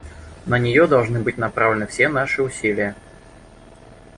На нее должны быть направлены все наши усилия.